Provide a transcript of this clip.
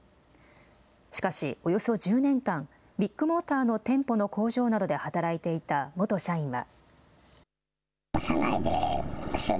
しかしおよそ１０年間、ビッグモーターの店舗の工場などで働いていた元社員は。